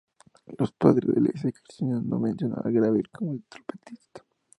Los Padres de la Iglesia cristiana no mencionan a Gabriel como el trompetista.